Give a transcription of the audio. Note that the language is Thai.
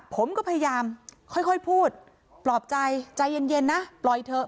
ผมก็พยายามค่อยพูดปลอบใจใจเย็นนะปล่อยเถอะ